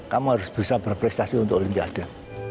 kamu harus bisa berprestasi untuk olimpiade